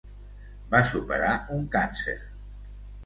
Va superar un càncer.